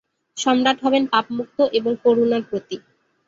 সম্রাট হবেন পাপমুক্ত এবং করুণার প্রতীক।